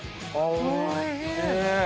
おいしい！